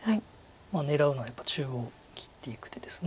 狙うのはやっぱり中央切っていく手です。